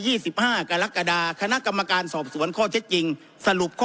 สิบห้ากรกฎาคณะกรรมการสอบสวนข้อเท็จจริงสรุปข้อ